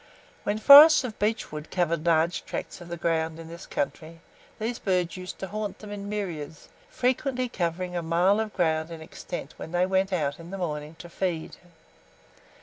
When forests of beechwood covered large tracts of the ground of this country, these birds used to haunt them in myriads, frequently covering a mile of ground in extent when they went out in the morning to feed.